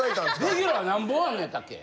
レギュラー何本あんねんやったっけ？